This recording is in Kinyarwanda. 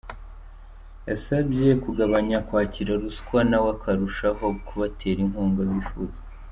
Yabasabye kugabanya kwakira ruswa na we akarushaho kubatera inkunga bifuza.